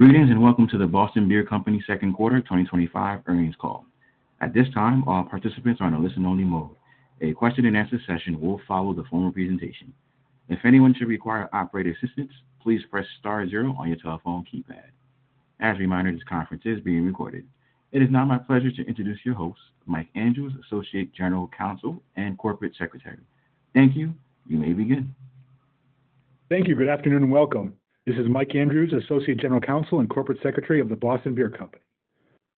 Greetings, and welcome to the Boston Beer Company second quarter twenty twenty five earnings call. At this time, all participants are in a listen only mode. A question and answer session will follow the formal presentation. As a reminder, this conference is being recorded. Is now my pleasure to introduce your host, Mike Andrews, Associate General Counsel and Corporate Secretary. Thank you. You may begin. Thank you. Good afternoon, and welcome. This is Mike Andrews, Associate General Counsel and Corporate Secretary of the Boston Beer Company.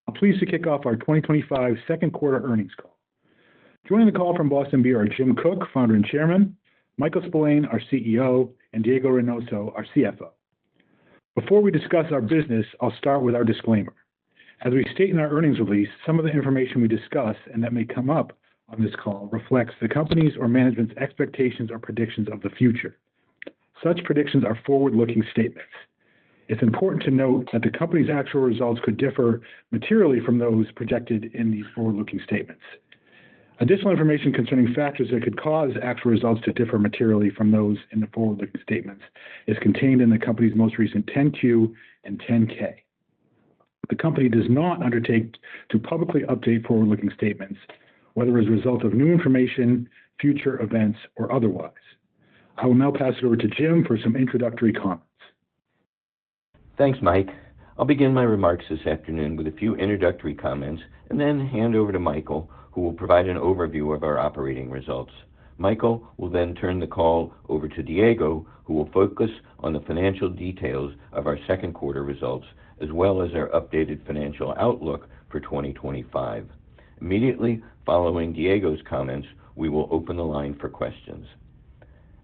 I'm pleased to kick off our twenty twenty five second quarter earnings call. Joining the call from Boston Beer are Jim Cook, Founder and Chairman Michael Spillane, our CEO and Diego Reynoso, our CFO. Before we discuss our business, I'll start with our disclaimer. As we state in our earnings release, some of the information we discuss and that may come up on this call reflects the company's or management's expectations or predictions of the future. Such predictions are forward looking statements. It's important to note that the company's actual results could differ materially from those projected in these forward looking statements. Additional information concerning factors that could cause actual results to differ materially from those in the forward looking statements is contained in the company's most recent 10 Q and 10 ks. The company does not undertake to publicly update forward looking statements whether as a result of new information, future events or otherwise. I will now pass it over to Jim for some introductory comments. Thanks, Mike. I'll begin my remarks this afternoon with a few introductory comments and then hand over to Michael, who will provide an overview of our operating results. Michael will then turn the call over to Diego, who will focus on the financial details of our second quarter results as well as our updated financial outlook for 2025. Immediately following Diego's comments, we will open the line for questions.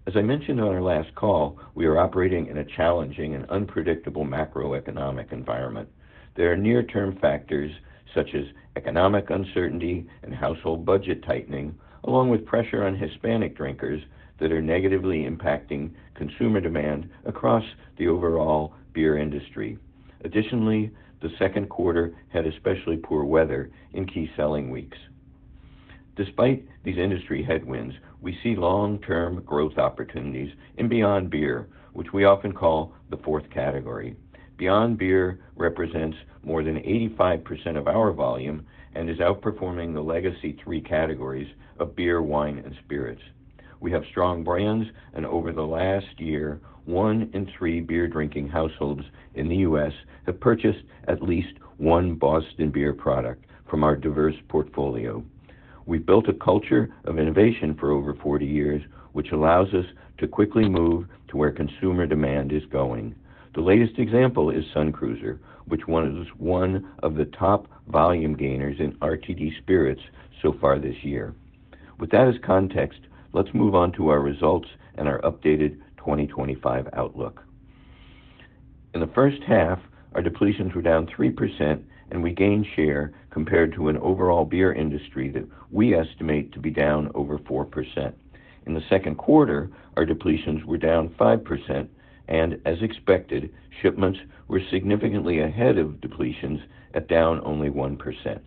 As I mentioned on our last call, we are operating in a challenging and unpredictable macroeconomic environment. There are near term factors such as economic uncertainty and household budget tightening, along with pressure on Hispanic drinkers that are negatively impacting consumer demand across the overall beer industry. Additionally, the second quarter had especially poor weather in key selling weeks. Despite these industry headwinds, we see long term growth opportunities in Beyond Beer, which we often call the fourth category. Beyond Beer represents more than 85% of our volume and is outperforming the legacy three categories of beer, wine, and spirits. We have strong brands, and over the last year, one in three beer drinking households in The US have purchased at least one Boston beer product from our diverse portfolio. We've built a culture of innovation for over forty years, which allows us to quickly move to where consumer demand is going. The latest example is Sun Cruiser, which one is one of the top volume gainers in RTD spirits so far this year. With that as context, let's move on to our results and our updated 2025 outlook. In the first half, our depletions were down 3%, and we gained share compared to an overall beer industry that we estimate to be down over 4%. In the second quarter, our depletions were down 5%, And as expected, shipments were significantly ahead of depletions at down only 1%.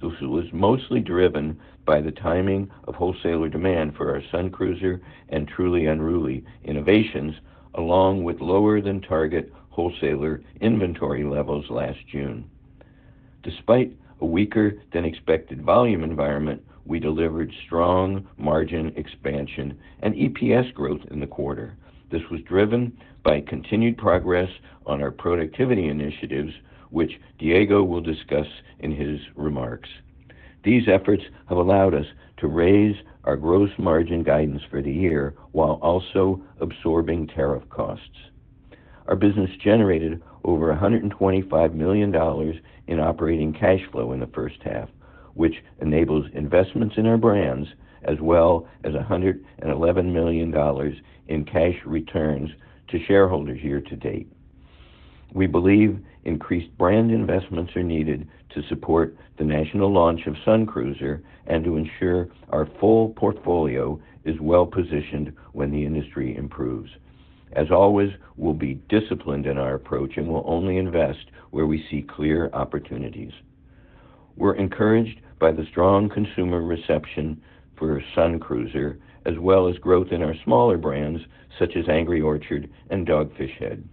This was mostly driven by the timing of wholesaler demand for our Sun Cruiser and Truly Unruly innovations along with lower than target wholesaler inventory levels last June. Despite a weaker than expected volume environment, we delivered strong margin expansion and EPS growth in the quarter. This was driven by continued progress on our productivity initiatives, which Diego will discuss in his remarks. These efforts have allowed us to raise our gross margin guidance for the year while also absorbing tariff costs. Our business generated over a $125,000,000 in operating cash flow in the first half, which enables investments in our brands as well as a $111,000,000 in cash returns to shareholders year to date. We believe increased brand investments are needed to support the national launch of Sun Cruiser and to ensure our full portfolio is well positioned when the industry improves. As always, we'll be disciplined in our approach, and we'll only invest where we see clear opportunities. We're encouraged by the strong consumer reception for Sun Cruiser as well as growth in our smaller brands such as Angry Orchard and Dogfish Head.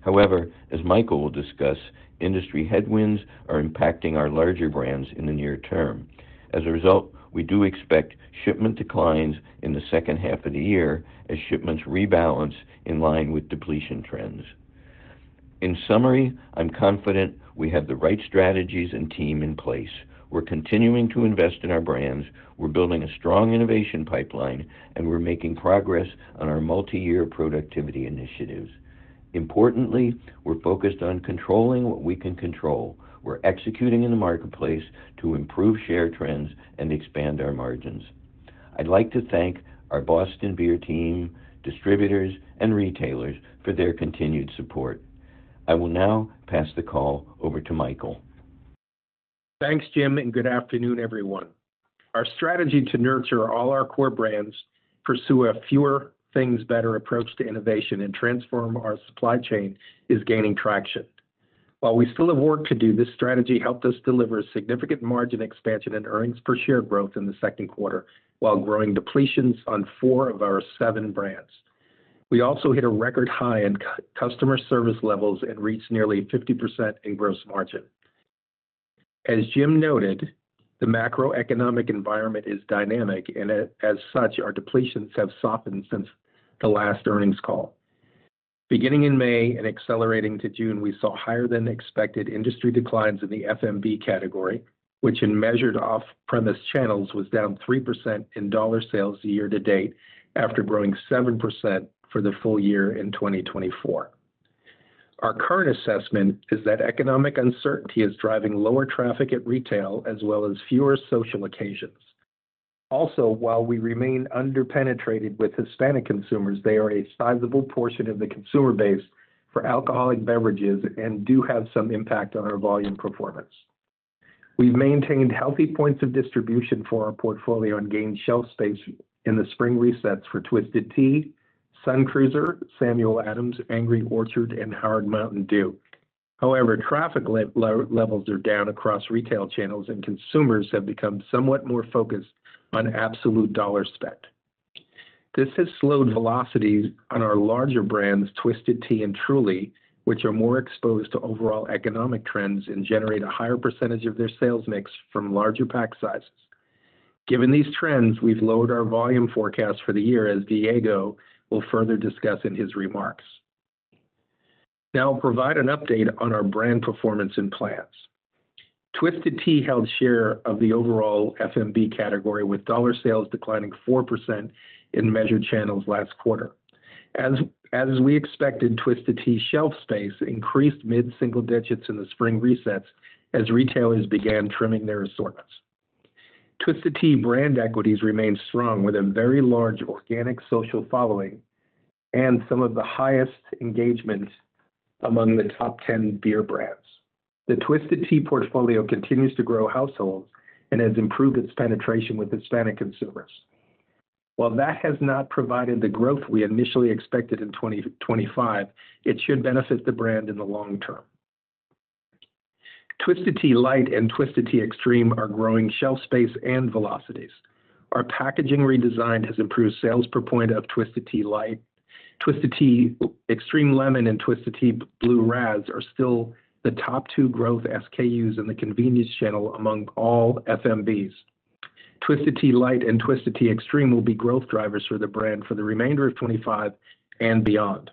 However, as Michael will discuss, industry headwinds are impacting our larger brands in the near term. As a result, we do expect shipment declines in the second half of the year as shipments rebalance in line with depletion trends. In summary, I'm confident we have the right strategies and team in place. We're continuing to invest in our brands. We're building a strong innovation pipeline, and we're making progress on our multiyear productivity initiatives. Importantly, we're focused on controlling what we can control. We're executing in the marketplace to improve share trends and expand our margins. I'd like to thank our Boston Beer team, distributors, and retailers for their continued support. I will now pass the call over to Michael. Thanks, Jim, and good afternoon, everyone. Our strategy to nurture all our core brands, pursue a fewer things better approach to innovation and transform our supply chain is gaining traction. While we still have work to do, this strategy helped us deliver significant margin expansion and earnings per share growth in the second quarter while growing depletions on four of our seven brands. We also hit a record high in customer service levels and reached nearly 50% in gross margin. As Jim noted, the macroeconomic environment is dynamic and as such our depletions have softened since the last earnings call. Beginning in May and accelerating to June, we saw higher than expected industry declines in the FMB category, which in measured off premise channels was down 3% in dollar sales year to date after growing 7% for the full year in 2024. Our current assessment is that economic uncertainty is driving lower traffic at retail as well as fewer social occasions. Also, while we remain underpenetrated with Hispanic consumers, they are a sizable portion of the consumer base for alcoholic beverages and do have some impact on our volume performance. We've maintained healthy points of distribution for our portfolio and gained shelf space in the spring resets for Twisted Tea, Sun Cruiser, Samuel Adams, Angry Orchard, and Howard Mountain Dew. However, traffic levels are down across retail channels and consumers have become somewhat more focused on absolute dollar spent. This has slowed velocities on our larger brands Twisted Tea and Truly, which are more exposed to overall economic trends and generate a higher percentage of their sales mix from larger pack sizes. Given these trends, we've lowered our volume forecast for the year as Diego will further discuss in his remarks. Now I'll provide an update on our brand performance and plans. Twisted Tea held share of the overall FMB category with dollar sales declining 4% in measured channels last quarter. As as we expected, Twisted Tea shelf space increased mid single digits in the spring resets as retailers began trimming their assortments. Twisted Tea brand equities remain strong with a very large organic social following and some of the highest engagements among the top 10 beer brands. The Twisted Tea portfolio continues to grow households and has improved its penetration with Hispanic consumers. While that has not provided the growth we initially expected in 2025, it should benefit the brand in the long term. Twisted Tea Light and Twisted Tea Extreme are growing shelf space and velocities. Our packaging redesign has improved sales per point of Twisted Tea Light. Twisted Tea Extreme Lemon and Twisted Tea Blue Razz are still the top two growth SKUs in the convenience channel among all FMBs. Twisted Tea Light and Twisted Tea Extreme will be growth drivers for the brand for the remainder of '25 and beyond.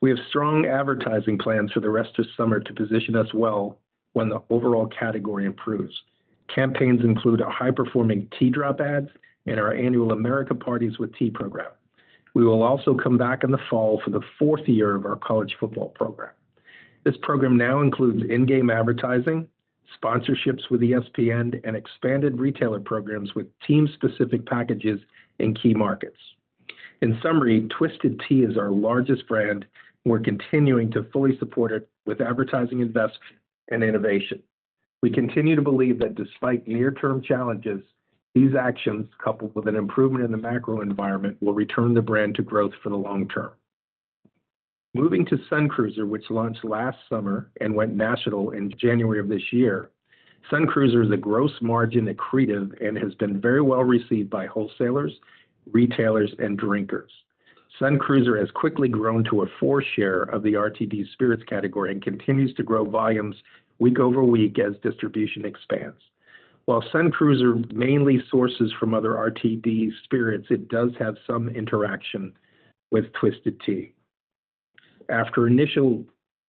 We have strong advertising plans for the rest of summer to position us well when the overall category improves. Campaigns include a high performing tea drop ads and our annual America parties with tea program. We will also come back in the fall for the fourth year of our college football program. This program now includes in game advertising, sponsorships with ESPN, and expanded retailer programs with team specific packages in key markets. In summary, Twisted Tea is our largest brand. We're continuing to fully support it with advertising invest and innovation. We continue to believe that despite near term challenges, these actions coupled with an improvement in the macro environment will return the brand to growth for the long term. Moving to Sun Cruiser, which launched last summer and went national in January, Sun Cruiser is a gross margin accretive and has been very well received by wholesalers, retailers, and drinkers. Sun Cruiser has quickly grown to a four share of the RTD spirits category and continues to grow volumes week over week as distribution expands. While Sun Cruiser mainly sources from other RTD spirits, it does have some interaction with Twisted Tea. After initial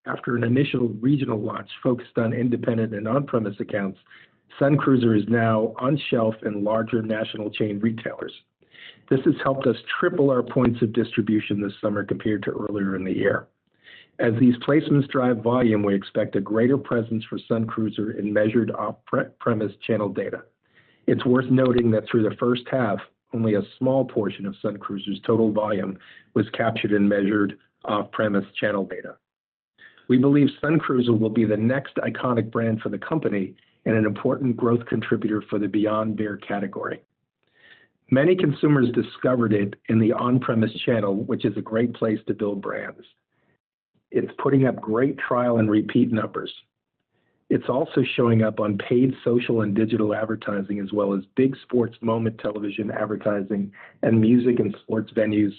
after an initial regional watch focused on independent and on premise accounts, SunCruiser is now on shelf in larger national chain retailers. This has helped us triple our points of distribution this summer compared to earlier in the year. As these placements drive volume, we expect a greater presence for Suncruiser in measured off premise channel data. It's worth noting that through the first half, only a small portion of Sun Cruiser's total volume was captured and measured off premise channel data. We believe Sun Cruiser will be the next iconic brand for the company and an important growth contributor for the beyond beer category. Many consumers discovered it in the on premise channel, which is a great place to build brands. It's putting up great trial and repeat numbers. It's also showing up on paid social and digital advertising as well as big sports moment television advertising and music and sports venues,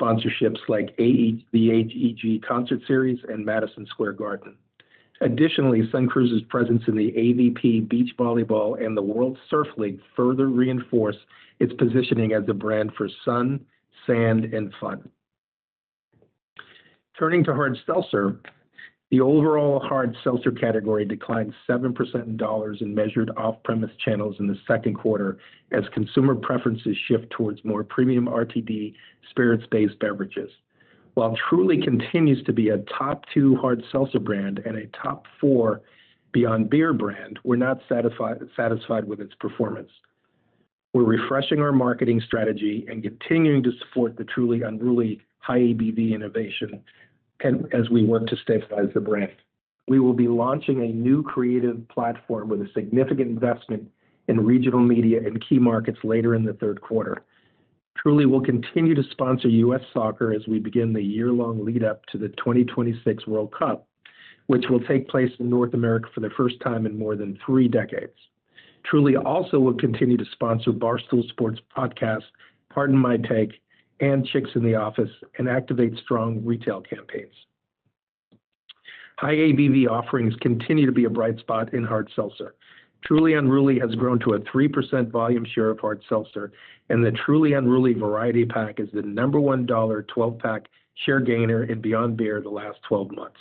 sponsorships like a v h e g concert series and Madison Square Garden. Additionally, SunCruise's presence in the AVP beach volleyball and the World Surf League further reinforce its positioning as the brand for sun, sand, and fun. Turning to hard seltzer, the overall hard seltzer category declined 7% in dollars and measured off premise channels in the second quarter as consumer preferences shift towards more premium RTD spirits based beverages. While Truly continues to be a top two hard seltzer brand and a top four beyond beer brand, we're not satisfied with its performance. We're refreshing our marketing strategy and continuing to support the Truly unruly high ABV innovation and as we work to stabilize the brand. We will be launching a new creative platform with a significant investment in regional media in key markets later in the third quarter. Will continue to sponsor US soccer as we begin the year long lead up to the twenty twenty six World Cup, which will take place in North America for the first time in more than three decades. Truly also will continue to sponsor Barstool Sports podcast, Pardon My Take and Chicks in the Office and activate strong retail campaigns. High ABV offerings continue to be a bright spot in hard seltzer. Truly Unruly has grown to a 3% volume share of hard seltzer, and the Truly Unruly variety pack is the number $1 12 pack share gainer in Beyond Beer in the last twelve months.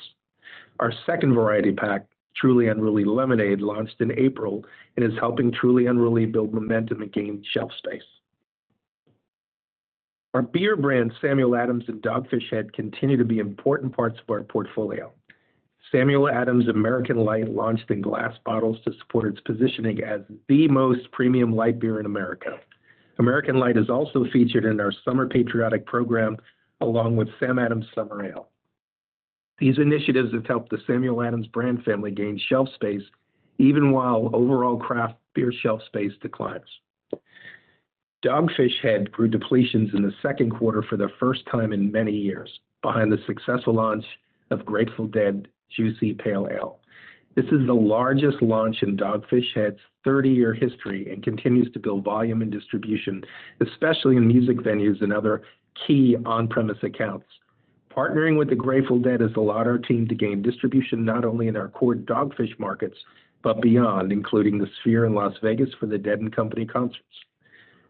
Our second variety pack, Truly Unruly Lemonade, launched in April and is helping Truly Unruly build momentum and gain shelf space. Our beer brands Samuel Adams and Dogfish Head continue to be important parts of our portfolio. Samuel Adams American Light launched in glass bottles to support its positioning as the most premium light beer in America. American Light is also featured in our summer patriotic program along with Sam Adams Summer Ale. These initiatives have helped the Samuel Adams brand family gain shelf space even while overall craft beer shelf space declines. Dogfish Head grew depletions in the second quarter for the first time in many years behind the successful launch of Grateful Dead juicy pale ale. This is the largest launch in Dogfish Head's thirty year history and continues to build volume and distribution, especially in music venues and other key on premise accounts. Partnering with the Grateful Dead has allowed our team to gain distribution not only in our core Dogfish markets but beyond, including the Sphere in Las Vegas for the Dead and Company concerts.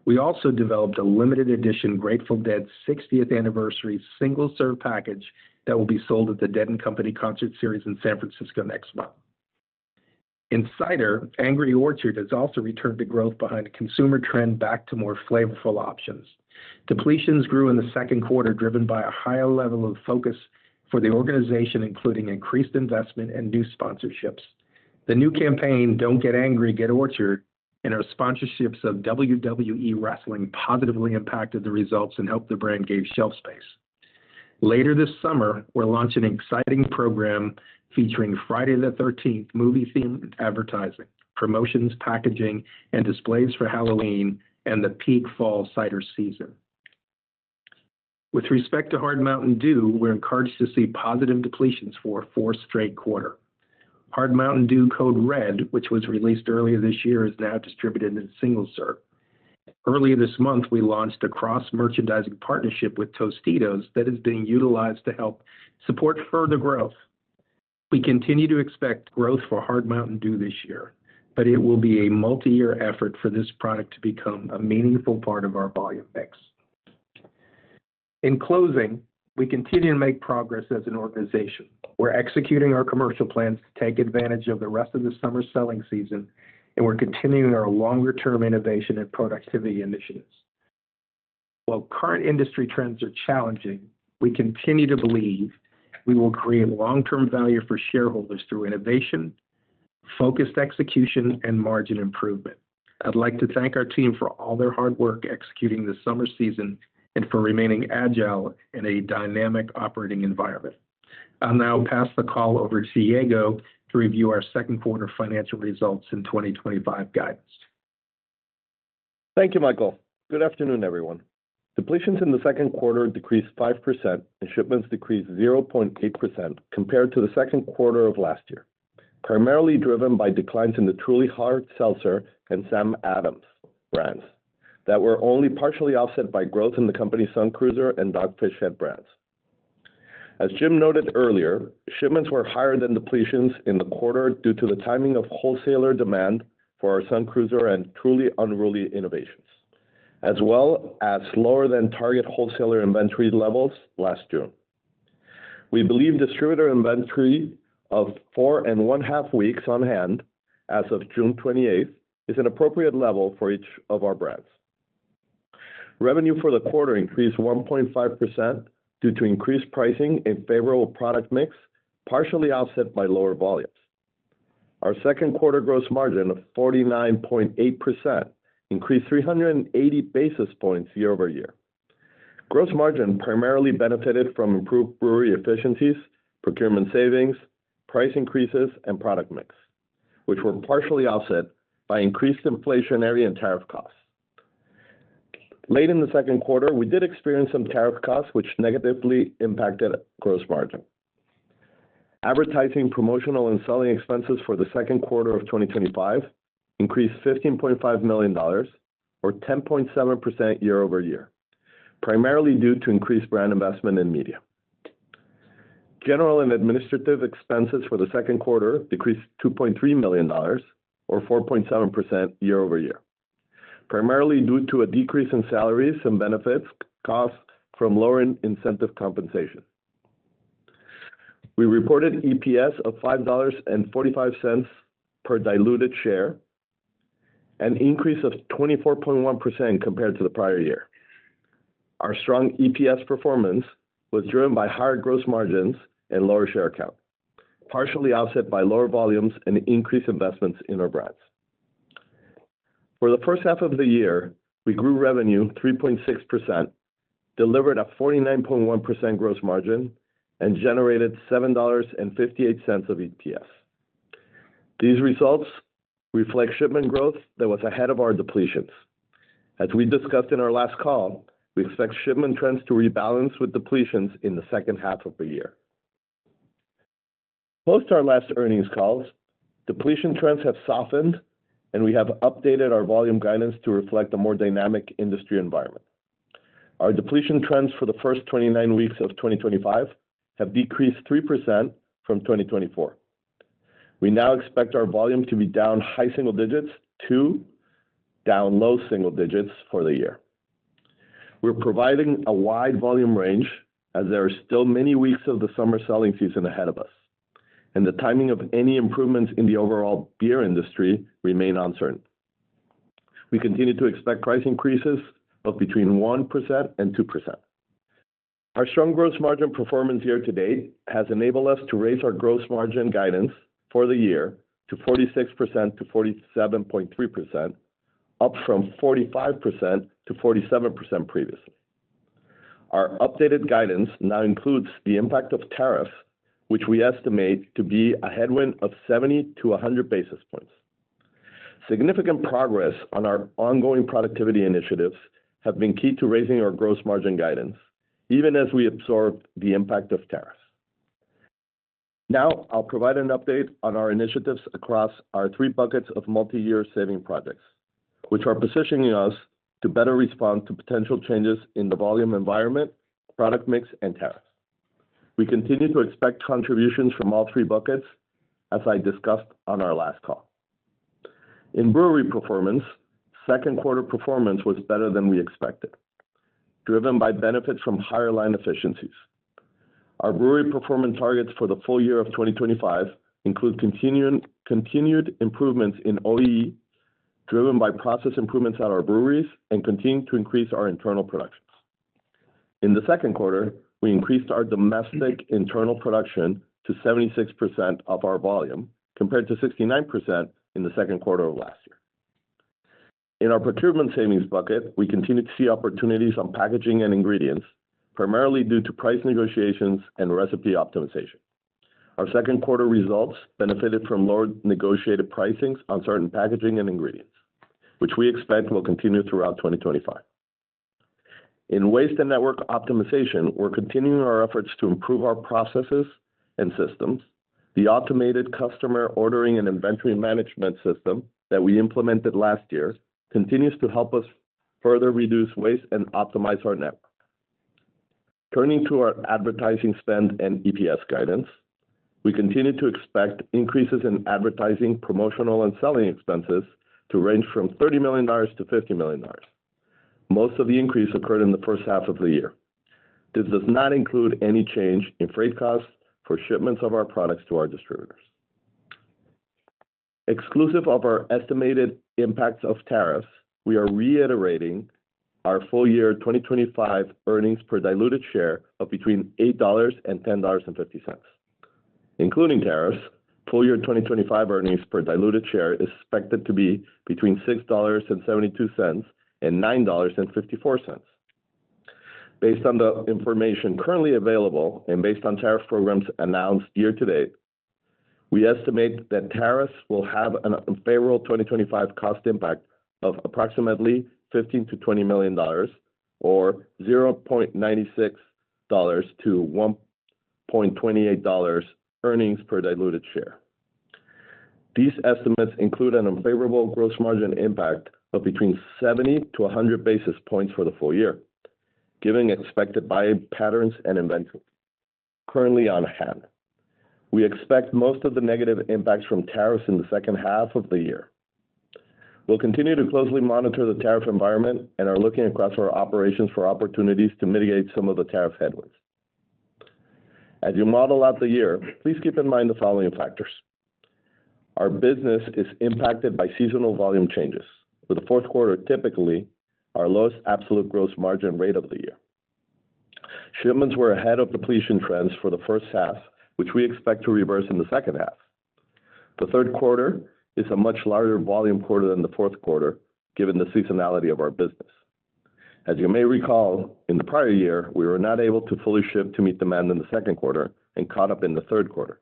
We also developed a limited edition Grateful Dead sixtieth anniversary single serve package that will be sold at the Dead and Company concert series in San Francisco next month. In cider, Angry Orchard has also returned to growth behind the consumer trend back to more flavorful options. Depletions grew in the second quarter driven by a higher level of focus for the organization, including increased investment and new sponsorships. The new campaign, Don't Get Angry, Get Orchard, and our sponsorships of WWE Wrestling positively impacted the results and helped the brand gain shelf space. Later this summer, we'll launch an exciting program featuring Friday the thirteenth movie themed advertising, promotions, packaging, and displays for Halloween and the peak fall cider season. With respect to Hard Mountain Dew, we're encouraged to see positive depletions for four straight quarter. Hard Mountain Dew Code Red, which was released earlier this year is now distributed in single serve. Earlier this month, we launched a cross merchandising partnership with Tostitos that is being utilized to help support further growth. We continue to expect growth for Hard Mountain Dew this year, but it will be a multiyear effort for this product to become a meaningful part of our volume mix. In closing, we continue to make progress as an organization. We're executing our commercial plans to take advantage of the rest of the summer selling season, and we're continuing our longer term innovation and productivity initiatives. While current industry trends are challenging, we continue to believe we will create long term value for shareholders through innovation, focused execution and margin improvement. I'd like to thank our team for all their hard work executing the summer season and for remaining agile in a dynamic operating environment. I'll now pass the call over to Diego to review our second quarter financial results and 2025 guidance. Thank you, Michael. Good afternoon, everyone. Depletions in the second quarter decreased 5% and shipments decreased 0.8% compared to the second quarter of last year, primarily driven by declines in the Truly Hard, Seltzer and Sam Adams brands that were only partially offset by growth in the company's Sun Cruiser and Dogfish Head brands. As Jim noted earlier, shipments were higher than depletions in the quarter due to the timing of wholesaler demand for our Sun Cruiser and Truly Unruly Innovations, as well as lower than target wholesaler inventory levels last June. We believe distributor inventory of four and one half weeks on hand as of June 28 is an appropriate level for each of our brands. Revenue for the quarter increased 1.5% due to increased pricing and favorable product mix, partially offset by lower volumes. Our second quarter gross margin of 49.8% increased 380 basis points year over year. Gross margin primarily benefited from improved brewery efficiencies, procurement savings, price increases, and product mix, which were partially offset by increased inflationary and tariff costs. Late in the second quarter, we did experience some tariff costs, which negatively impacted gross margin. Advertising, promotional, and selling expenses for the 2025 increased $15,500,000 or 10.7% year over year, primarily due to increased brand investment in media. General and administrative expenses for the second quarter decreased $2,300,000 or 4.7% year over year, primarily due to a decrease in salaries and benefits cost from lower incentive compensation. We reported EPS of $5.45 per diluted share, an increase of 24.1% compared to the prior year. Our strong EPS performance was driven by higher gross margins and lower share count, partially offset by lower volumes and increased investments in our brands. For the first half of the year, we grew revenue 3.6%, delivered a 49.1% gross margin, and generated $7.58 of EPS. These results reflect shipment growth that was ahead of our depletions. As we discussed in our last call, we expect shipment trends to rebalance with depletions in the second half of the year. Post our last earnings calls, depletion trends have softened, and we have updated our volume guidance to reflect a more dynamic industry environment. Our depletion trends for the first twenty nine weeks of 2025 have decreased 3% from 2024. We now expect our volume to be down high single digits to down low single digits for the year. We're providing a wide volume range as there are still many weeks of the summer selling season ahead of us, and the timing of any improvements in the overall beer industry remain uncertain. We continue to expect price increases of between 12%. Our strong gross margin performance year to date has enabled us to raise our gross margin guidance for the year to 46% to 47.3%, up from 45% to 47% previously. Our updated guidance now includes the impact of tariff, which we estimate to be a headwind of 70 to a 100 basis points. Significant progress on our ongoing productivity initiatives have been key to raising our gross margin guidance even as we absorb the impact of tariffs. Now I'll provide an update on our initiatives across our three buckets of multiyear saving projects, which are positioning us to better respond to potential changes in the volume environment, product mix, and tariff. We continue to expect contributions from all three buckets as I discussed on our last call. In brewery performance, second quarter performance was better than we expected, driven by benefits from higher line efficiencies. Our brewery performance targets for the full year of 2025 include continuing continued improvements in OEE, driven by process improvements at our breweries and continue to increase our internal production. In the second quarter, we increased our domestic internal production to 76% of our volume compared to 69% in the second quarter of last year. In our procurement savings bucket, we continue to see opportunities on packaging and ingredients, primarily due to price negotiations and recipe optimization. Our second quarter results benefited from lower negotiated pricings on certain packaging and ingredients, which we expect will continue throughout 2025. In waste and network optimization, we're continuing our efforts to improve our processes and systems. The automated customer ordering and inventory management system that we implemented last year continues to help us further reduce waste and optimize our network. Turning to our advertising spend and EPS guidance. We continue to expect increases in advertising, promotional, and selling expenses to range from $30,000,000 to $50,000,000. Most of the increase occurred in the first half of the year. This does not include any change in freight costs for shipments of our products to our distributors. Exclusive of our estimated impacts of tariffs, we are reiterating our full year 2025 earnings per diluted share of between $8 and $10.50. Including tariffs, full year 2025 earnings per diluted share is expected to be between $6.72 and $9.54. Based on the information currently available and based on tariff programs announced year to date, we estimate that tariffs will have an unfavorable 2025 cost impact of approximately 15,000,000 to $20,000,000 or $0.96 to $1.28 earnings per diluted share. These estimates include an unfavorable gross margin impact of between 70 to 100 basis points for the full year, giving expected buying patterns and inventory currently on hand. We expect most of the negative impacts from tariffs in the second half of the year. We'll continue to closely monitor the tariff environment and are looking across our operations for opportunities to mitigate some of the tariff headwinds. As you model out the year, please keep in mind the following factors. Our business is impacted by seasonal volume changes, with the fourth quarter typically our lowest absolute gross margin rate of the year. Shipments were ahead of depletion trends for the first half, which we expect to reverse in the second half. The third quarter is a much larger volume quarter than the fourth quarter given the seasonality of our business. As you may recall, in the prior year, we were not able to fully ship to meet demand in the second quarter and caught up in the third quarter.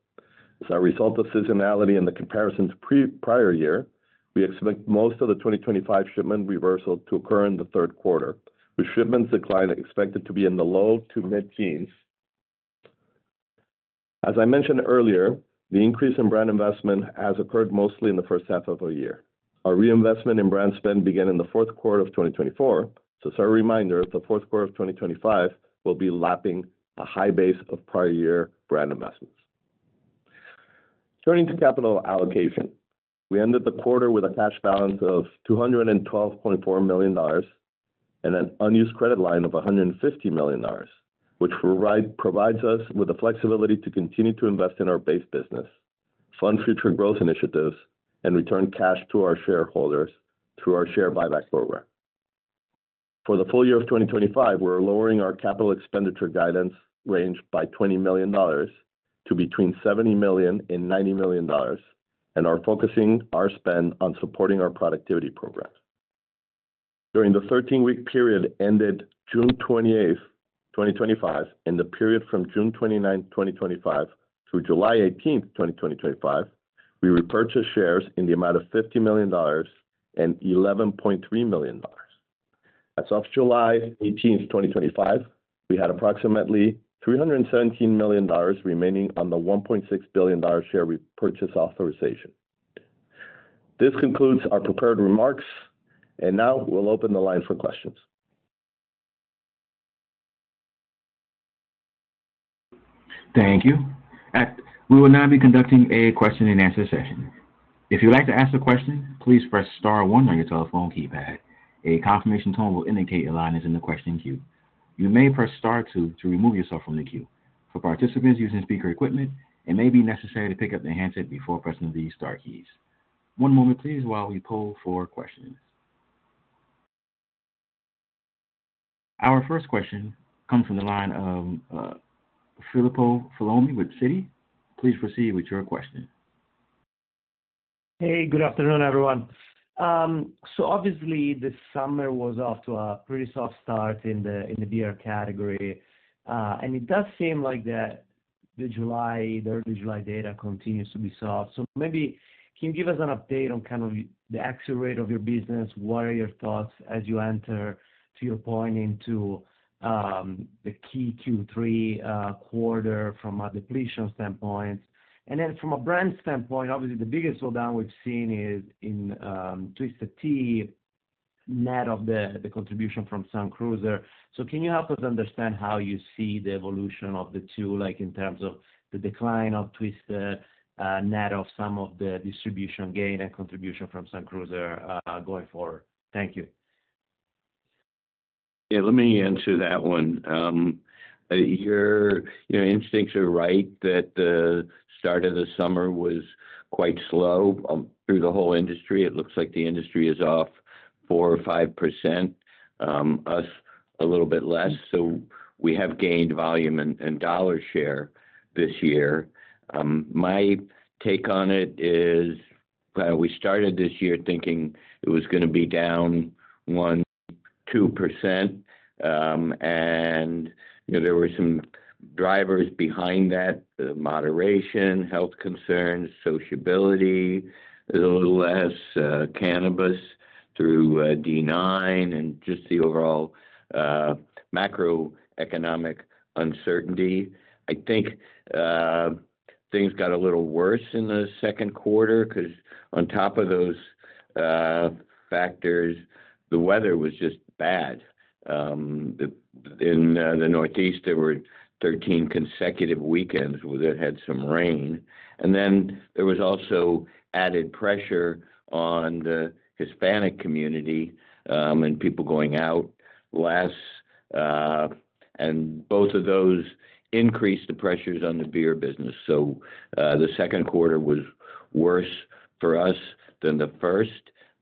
As a result of seasonality and the comparisons pre prior year, we expect most of the 2025 shipment reversal to occur in the third quarter, with shipments decline expected to be in the low to mid teens. As I mentioned earlier, the increase in brand investment has occurred mostly in the first half of the year. Our reinvestment in brand spend began in the fourth quarter of twenty twenty four. So as a reminder, the 2025 will be lapping a high base of prior year brand investments. Turning to capital allocation. We ended the quarter with a cash balance of $212,400,000 and an unused credit line of a $150,000,000, which provide provides us with the flexibility to continue to invest in our base business, fund future growth initiatives, and return cash to our shareholders through our share buyback program. For the full year of 2025, we're lowering our capital expenditure guidance range by $20,000,000 to between 70,000,000 and $90,000,000 and are focusing our spend on supporting our productivity programs. During the thirteen week period ended 06/28/2025 and the period from 06/29/2025 through July 2025, we repurchased shares in the amount of $50,000,000 and $11,300,000. As of 07/18/2025, we had approximately $317,000,000 remaining on the $1,600,000,000 share repurchase authorization. This concludes our prepared remarks, and now we'll open the line for questions. Thank you. At we will now be conducting a question and answer session. If you would like to ask a question, please press star one on your telephone keypad. A confirmation tone will indicate your line is in the question queue. You may press star two to remove yourself from the queue. For participants using speaker equipment, it may be necessary to pick up the handset before pressing the star keys. One moment, while we poll for questions. Our first question comes from the line of Filippo Folomi with Citi. Please proceed with your question. Hey. Good afternoon, everyone. So obviously, this summer was off to a pretty soft start in the in the beer category. And it does seem like that the July the early July data continues to be soft. So maybe can you give us an update on kind of the actual rate of your business? What are your thoughts as you enter to your point into, the key q three, quarter from a depletion standpoint? And then from a brand standpoint, obviously, the biggest slowdown we've seen is in Twisted Tea net of the the contribution from Sun Cruiser. So can you help us understand how you see the evolution of the two, like, in terms of the decline of Twisted net of some of the distribution gain and contribution from SunCruiser, going forward? Thank you. Yeah. Let me answer that one. Your your instincts are right that the start of the summer was quite slow through the whole industry. It looks like the industry is off four or 5% us a little bit less. So we have gained volume and and dollar share this year. My take on it is we started this year thinking it was gonna be down 2%, and, you know, there were some drivers behind that, moderation, health concerns, sociability, a little less cannabis through d nine and just the overall macroeconomic uncertainty. I think, things got a little worse in the second quarter because on top of those, factors, the weather was just bad. The in the Northeast, there were 13 consecutive weekends where they had some rain. And then there was also added pressure on the Hispanic community and people going out less. And both of those increased the pressures on the beer business. So, the second quarter was worse for us than the first.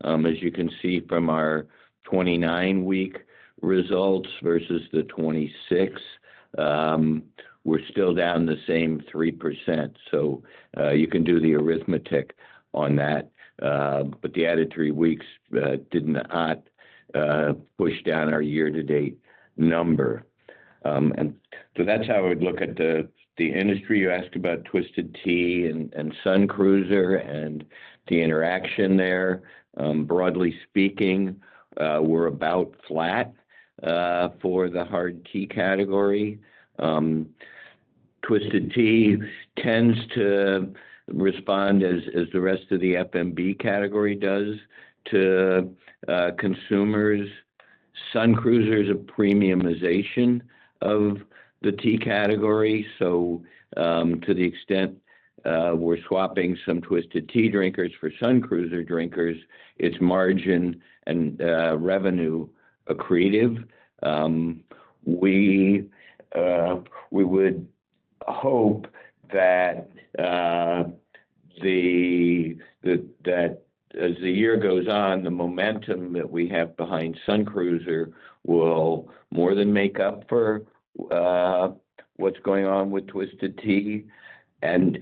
As you can see from our twenty nine week results versus the twenty six, we're still down the same 3%. So, you can do the arithmetic on that, but the added three weeks did not push down our year to date number. And so that's how I would look at the the industry. You asked about Twisted Tea and and Sun Cruiser and the interaction there. Broadly speaking, we're about flat for the hard tea category. Twisted Tea tends to respond as as the rest of the FNB category does to consumers. Sun Cruiser is a premiumization of the tea category. So to the extent we're swapping some Twisted Tea drinkers for Sun Cruiser drinkers, it's margin and revenue accretive. We we would hope that the that that as the year goes on, the momentum that we have behind Sun Cruiser will more than make up for what's going on with Twisted Tea. And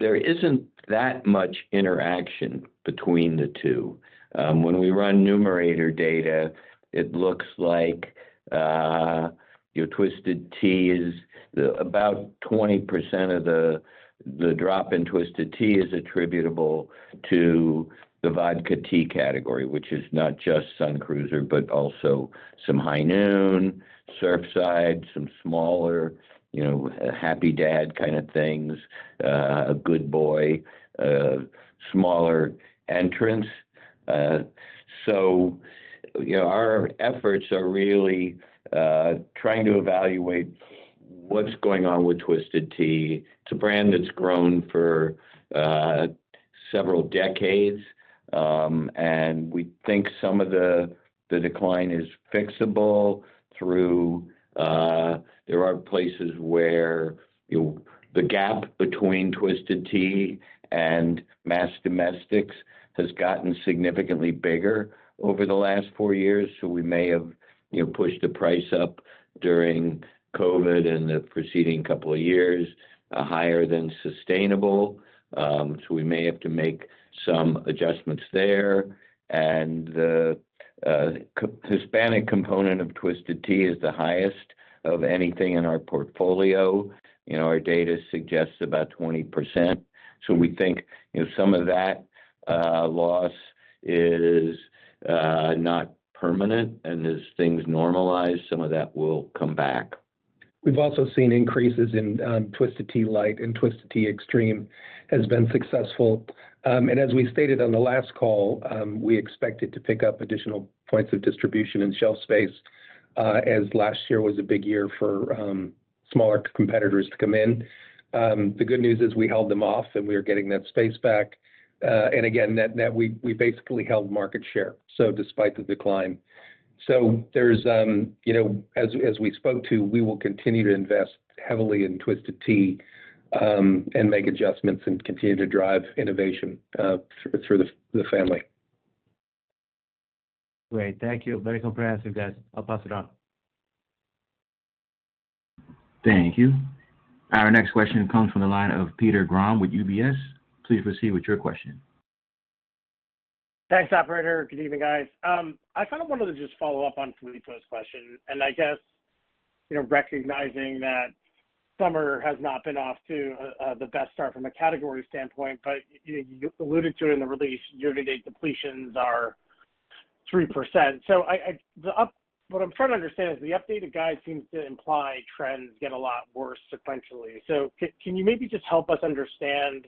there isn't that much interaction between the two. When we run numerator data, it looks like your Twisted Tea is about 20% of the the drop in Twisted Tea is attributable to the vodka tea category, which is not just Sun Cruiser, but also some High Noon, Surfside, some smaller, you know, happy dad kind of things, a good boy, smaller entrance. So, you know, our efforts are really trying to evaluate what's going on with Twisted Tea. It's a brand that's grown for several decades, and we think some of the the decline is fixable through there are places where, you know, the gap between Twisted Tea and mass domestics has gotten significantly bigger over the last four years. So we may have, you know, pushed the price up during COVID and the preceding couple of years, higher than sustainable. So we may have to make some adjustments there. And the Hispanic component of Twisted Tea is the highest of anything in our portfolio. You know, our data suggests about 20%. So we think, you know, some of that loss is not permanent and as things normalize, some of that will come back. We've also seen increases in Twisted Tea Light and Twisted Tea Extreme has been successful. And as we stated on the last call, we expected to pick up additional points of distribution in shelf space as last year was a big year for smaller competitors to come in. The good news is we held them off and we are getting that space back. And again, net net, we we basically held market share, so despite the decline. So there's, you know, as as we spoke to, we will continue to invest heavily in Twisted Tea, and make adjustments and continue to drive innovation through the the family. Great. Thank you. Very comprehensive, guys. I'll pass it on. Thank you. Our next question comes from the line of Peter Grom with UBS. Please proceed with your question. Thanks, operator. Good evening, guys. I kind of wanted to just follow-up on Filipa's question. And I guess, recognizing that summer has not been off to the best start from a category standpoint, but alluded to in the release, year to date depletions are 3%. So I the up what I'm trying to understand is the updated guide seems to imply trends get a lot worse sequentially. So can you maybe just help us understand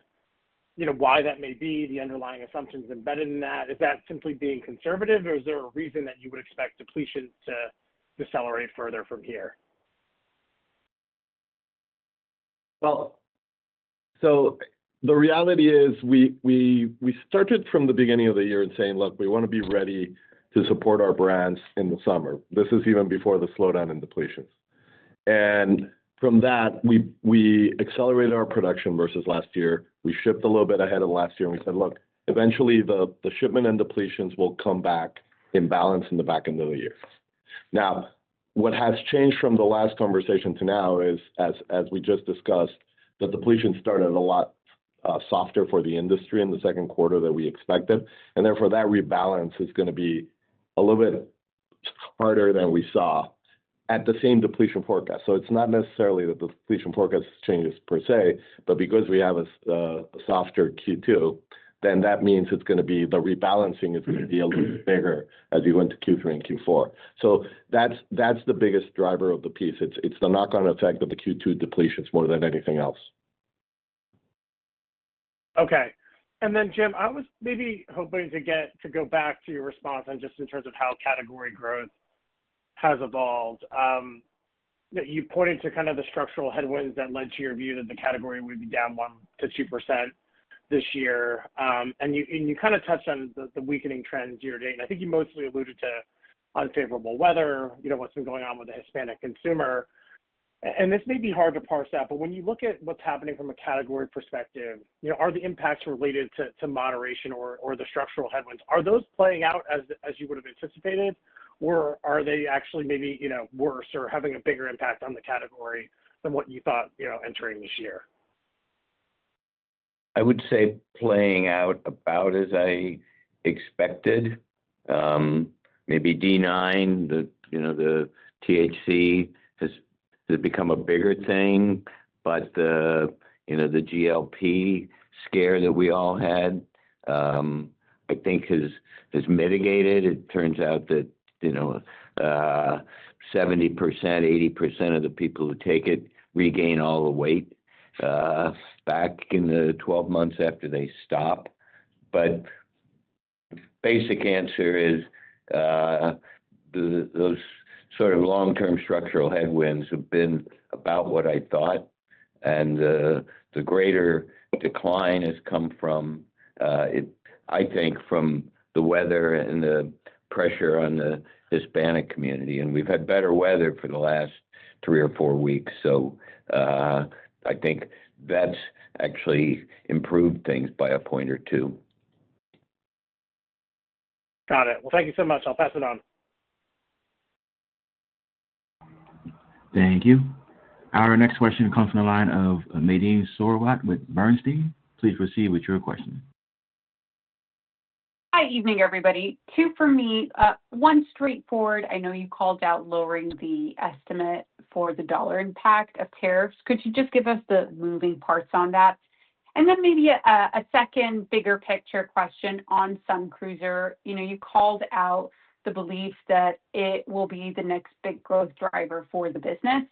you know, why that may be the underlying assumptions embedded in that? Is that simply being conservative, or is there a reason that you would expect depletion to decelerate further from here? Well, so the reality is we we we started from the beginning of the year and saying, look. We wanna be ready to support our brands in the summer. This is even before the slowdown in depletions. And from that, we we accelerated our production versus last year. We shipped a little bit ahead of last year, we said, look. Eventually, the the shipment and depletions will come back in balance in the back end of the year. Now what has changed from the last conversation to now is as as we just discussed, the depletion started a lot, softer for the industry in the second quarter that we expected. And therefore, that rebalance is gonna be a little bit harder than we saw at the same depletion forecast. So it's not necessarily that the depletion forecast changes per se, but because we have a softer q two, then that means it's gonna be the rebalancing is gonna be a little bigger as you went to q three and q four. So that's that's the biggest driver of the piece. It's it's the knock on effect of the q two depletions more than anything else. Okay. And then, Jim, I was maybe hoping to get to go back to your response on just in terms of how category growth has evolved, that you pointed to kind of the structural headwinds that led to your view that the category would be down one to 2% this year. And you kind of touched on the weakening trends year to date. I think you mostly alluded to unfavorable weather, what's been going on with the Hispanic consumer. And this may be hard to parse out, but when you look at what's happening from a category perspective, you know, are the impacts related to to moderation or or the structural headwinds? Are those playing out as as you would have anticipated, or are they actually maybe, you know, worse or having a bigger impact on the category than what you thought, you know, entering this year? I would say playing out about as I expected. Maybe d nine, the, you know, the THC has become a bigger thing. But, you know, the GLP scare that we all had, I think, has has mitigated. It turns out that, you know, seventy percent, eighty percent of the people who take it regain all the weight back in the twelve months after they stop. But basic answer is the those sort of long term structural headwinds have been about what I thought, and the the greater decline has come from, it I think from the weather and the pressure on the Hispanic community. And we've had better weather for the last three or four weeks. So, I think that's actually improved things by a point or two. Got it. Well, thank you so much. I'll pass it on. Thank you. Our next question comes from the line of Medine Sorwat with Bernstein. Please proceed with your question. Hi. Evening, everybody. Two for me. One straightforward. I know you called out lowering the estimate for the dollar impact of tariffs. Could you just give us the moving parts on that? And then maybe a second bigger picture question on SunCruiser. You know, you called out the belief that it will be the next big growth driver for the business.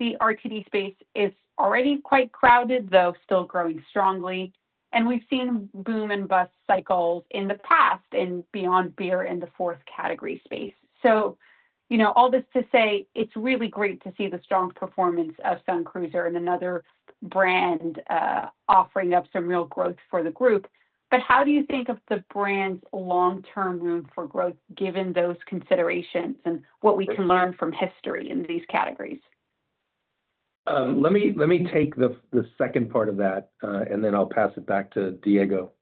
The RTD space is already quite crowded, though still growing strongly, and we've seen boom and bust cycles in the past and beyond beer in the fourth category space. So, you know, all this to say, it's really great to see the strong performance of Sun Cruiser and another brand, offering up some real growth for the group. But how do you think of the brand's long term room for growth given those considerations and what we can learn from history in these categories? Let me let me take the the second part of that, and then I'll pass it back to Diego.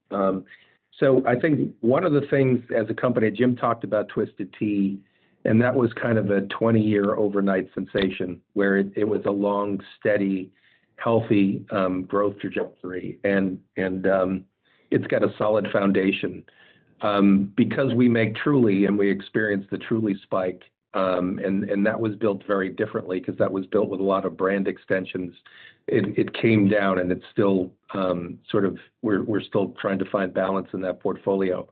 So I think one of the things as a company, Jim talked about Twisted Tea, and that was kind of a twenty year overnight sensation where it it was a long steady healthy growth trajectory. And and it's got a solid foundation. Because we make Truly and we experience the Truly spike, and and that was built very differently because that was built with a lot of brand extensions. It it came down and it's still sort of we're we're still trying to find balance in that portfolio.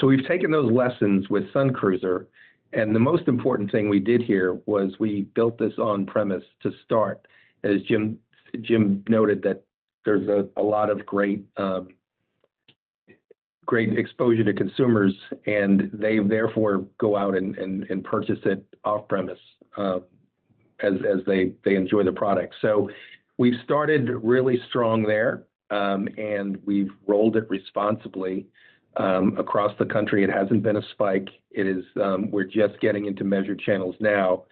So we've taken those lessons with SunCruiser. And the most important thing we did here was we built this on premise to start. As Jim Jim noted that there's a lot of great great exposure to consumers and they therefore go out and and and purchase it off premise as as they they enjoy the product. So we started really strong there and we've rolled it responsibly across the country. It hasn't been a spike. It is we're just getting into measured channels now,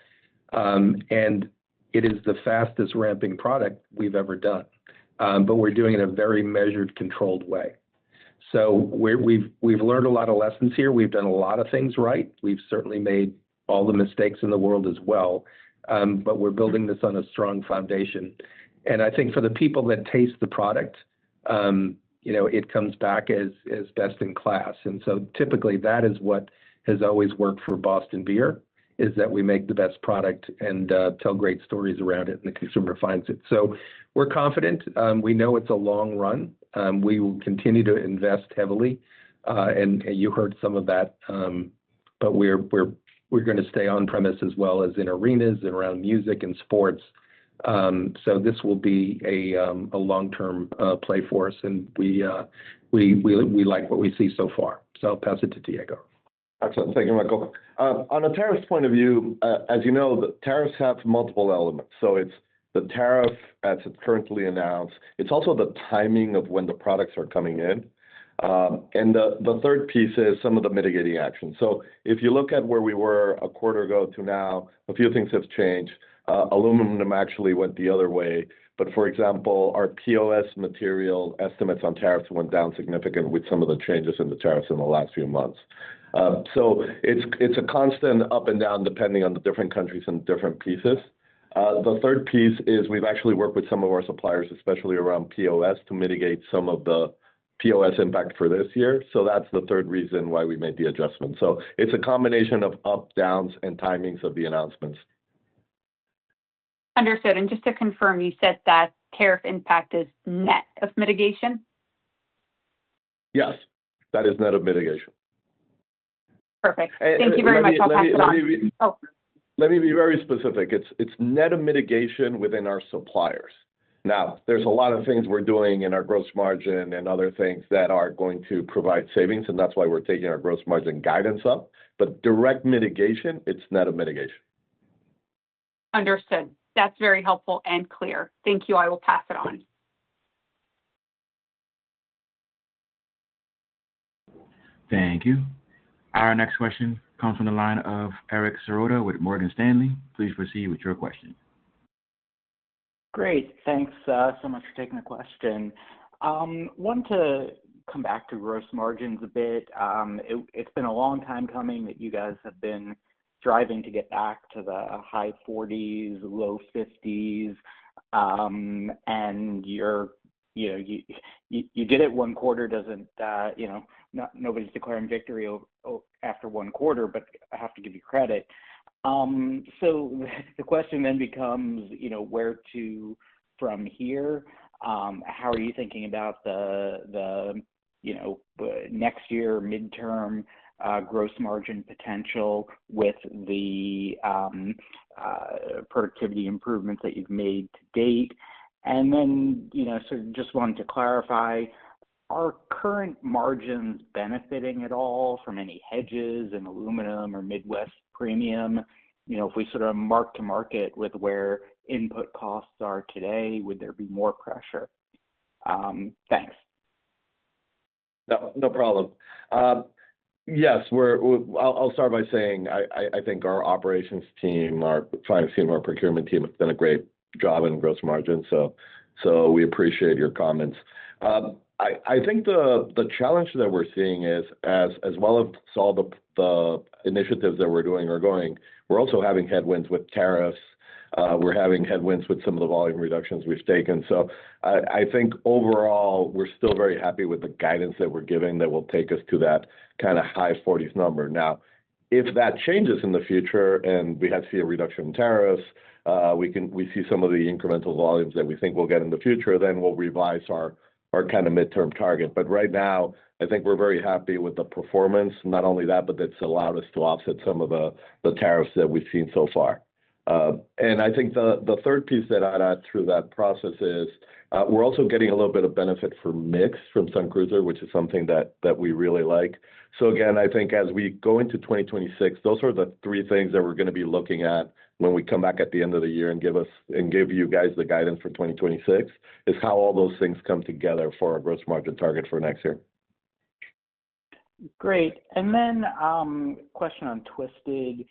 and it is the fastest ramping product we've ever done. But we're doing it in a very measured controlled way. So we're we've we've learned a lot of lessons here. We've done a lot of things right. We've certainly made all the mistakes in the world as well. But we're building this on a strong foundation. And I think for the people that taste the product, you know, it comes back as as best in class. And so typically, that is what has always worked for Boston Beer is that we make the best product and, tell great stories around it and the consumer finds it. So we're confident. We know it's a long run. We will continue to invest heavily, and and you heard some of that, but we're we're we're gonna stay on premise as well as in arenas and around music and sports. So this will be a long term play for us and we like what we see so far. So I'll pass it to Diego. Excellent. Thank you, Michael. On a tariff point of view, as you know, the tariffs have multiple elements. So it's the tariff as it's currently announced. It's also the timing of when the products are coming in. And the the third piece is some of the mitigating actions. So if you look at where we were a quarter ago to now, a few things have changed. Aluminum actually went the other way. But for example, our POS material estimates on tariffs went down significant with some of the changes in the tariffs in the last few months. So it's it's a constant up and down depending on the different countries and different pieces. The third piece is we've actually worked with some of our suppliers, especially around POS to mitigate some of the POS impact for this year. So that's the third reason why we made the adjustment. So it's a combination of up, downs, and timings of the announcements. Understood. And just to confirm, you said that tariff impact is net of mitigation? Yes. That is net of mitigation. Perfect. Thank you very much. I'll pass it on. Oh. Let me be very specific. It's it's net of mitigation within our suppliers. Now there's a lot of things we're doing in our gross margin and other things that are going to provide savings, and that's why we're taking our gross margin guidance up. But direct mitigation, it's net of mitigation. Understood. That's very helpful and clear. Thank you. I will pass it on. Thank you. Our next question comes from the line of Eric Sarota with Morgan Stanley. Please proceed with your question. Great. Thanks so much for taking the question. Want to come back to gross margins a bit. It it's been a long time coming that you guys have been driving to get back to the high forties, low fifties, and you're you know, you you you did it one quarter. Doesn't you know, not nobody's declaring victory after one quarter, but I have to give you credit. So the question then becomes, you know, where to from here? How are you thinking about the the, you know, next year midterm, gross margin potential with the, productivity improvements that you've made to date? And then, you know, so just wanted to clarify, are current margins benefiting at all from any hedges in aluminum or Midwest premium? You know, if we sort of mark to market with where input costs are today, would there be more pressure? Thanks. No no problem. Yes. We're I'll I'll start by saying, I I I think our operations team, finance team, our procurement team has done a great job in gross margin. So so we appreciate your comments. I I think the the challenge that we're seeing is as as well as solve the the initiatives that we're doing or going, we're also having headwinds with tariffs. We're having headwinds with some of the volume reductions we've taken. So I I think overall, we're still very happy with the guidance that we're giving that will take us to that kinda high forties number. Now if that changes in the future and we have to see a reduction in tariffs, we can we see some of the incremental volumes that we think we'll get in the future, then we'll revise our our kind of midterm target. But right now, I think we're very happy with the performance. Not only that, but that's allowed us to offset some of the the tariffs that we've seen so far. And I think the the third piece that I'd add through that process is, we're also getting a little bit of benefit for mix from Sun Cruiser, which is something that that we really like. So, again, I think as we go into 2026, those are the three things that we're gonna be looking at when we come back at the end of the year and give us and give you guys the guidance for 2026 is how all those things come together for our gross margin target for next year. Great. And then, question on Twisted.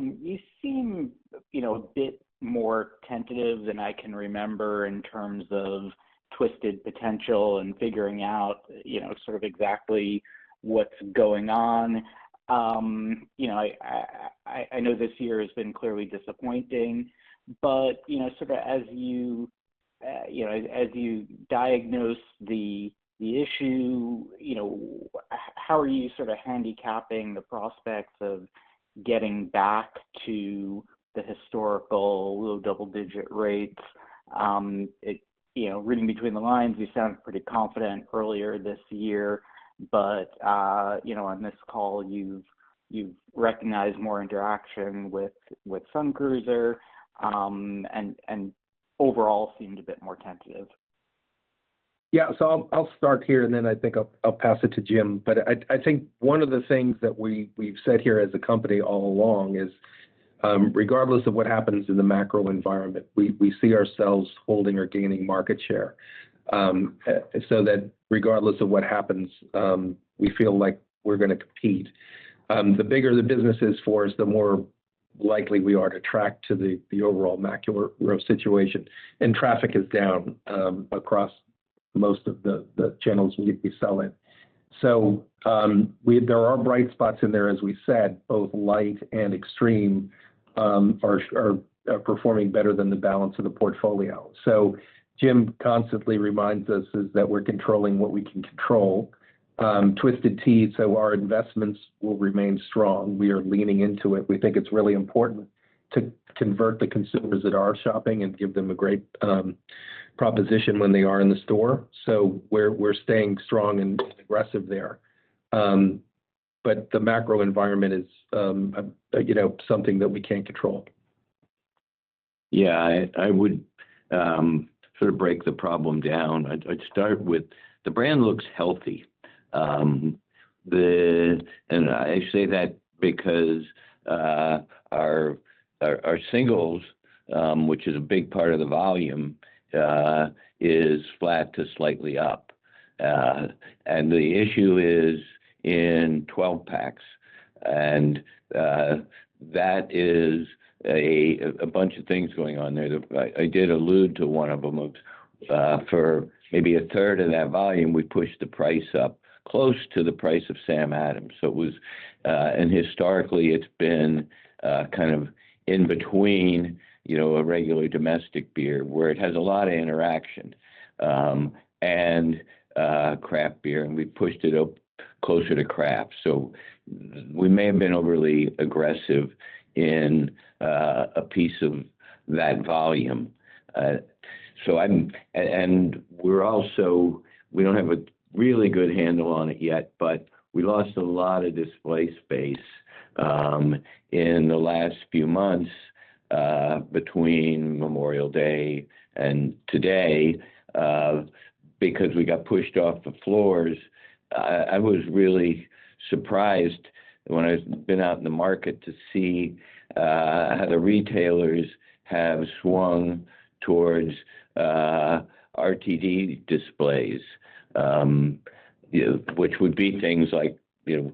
You seem, you know, a bit more tentative than I can remember in terms of Twisted potential and figuring out, you know, sort of exactly what's going on. Know, I I I know this year has been clearly disappointing, but, you know, sort of as you, you know, as you diagnose the the issue, you know, how are you sort of handicapping the prospects of getting back to the historical low double digit rates? It, you know, reading between the lines, you sound pretty confident earlier this year. But, you know, on this call, you've you've recognized more interaction with with SunCruiser, and and overall seemed a bit more tentative. Yeah. So I'll I'll start here, and then I think I'll I'll pass it to Jim. But I I think one of the things that we we've said here as a company all along is, regardless of what happens in the macro environment, we we see ourselves holding or gaining market share. So that regardless of what happens, we feel like we're gonna compete. The bigger the business is for us, the more likely we are to track to the the overall macular growth situation. And traffic is down, across most of the the channels we we sell in. So, we there are bright spots in there as we said, both light and extreme, are are performing better than the balance of the portfolio. So Jim constantly reminds us is that we're controlling what we can control. Twisted t, so our investments will remain strong. We are leaning into it. We think it's really important to convert the consumers that are shopping and give them a great proposition when they are in the store. So we're we're staying strong and aggressive there. The macro environment is, you know, something that we can't control. Yeah. I I would sort of break the problem down. I'd I'd start with the brand looks healthy. The and I say that because our our our singles, which is a big part of the volume, is flat to slightly up. And the issue is in 12 packs, and that is a bunch of things going on there that I I did allude to one of them. Maybe a third of that volume, we pushed the price up close to the price of Sam Adams. So it was and historically, it's been kind of in between, you know, a regular domestic beer where it has a lot of interaction and craft beer, and we pushed it up closer to craft. So we may have been overly aggressive in a piece of that volume. So I'm and we're also we don't have a really good handle on it yet, but we lost a lot of display space in the last few months, between Memorial Day and today, because we got pushed off the floors. I was really surprised when I've been out in the market to see how the retailers have swung towards RTD displays, you know, which would be things like, you know,